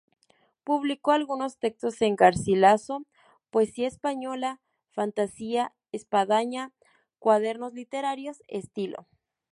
Publicó algunos textos en "Garcilaso", "Poesía Española", "Fantasía", "Espadaña", "Cuadernos Literarios", "Estilo"...